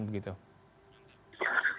kalau dilihat kan bukan saja